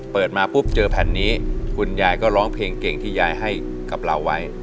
เปิดมาปุ๊บเจอแผ่นนี้คุณยายก็ร้องเพลงเก่งที่ยายให้กับเราไว้